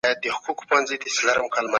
حضوري تدريس عملي مهارتونه ژر اصلاح کړي دي.